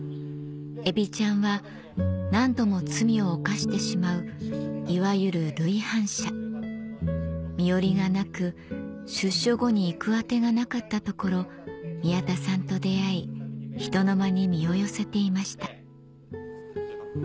エビちゃんは何度も罪を犯してしまういわゆる累犯者身寄りがなく出所後に行く当てがなかったところ宮田さんと出会いひとのまに身を寄せていました